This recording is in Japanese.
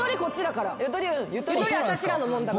ゆとり私らのもんだから。